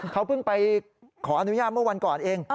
เขาเพิ่งไปขออนุญาตเมื่อวันก่อนเอง